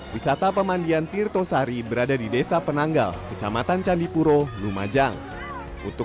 wisata pemandian tirto sari berada di desa penanggal kecamatan candipuro lumajang untuk